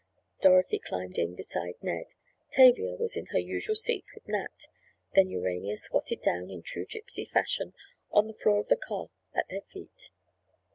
Dorothy climbed in beside Ned. Tavia was in her usual seat with Nat. Then Urania squatted down, in true Gypsy fashion, on the floor of the car at their feet.